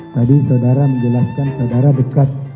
tadi saudara menjelaskan saudara dekat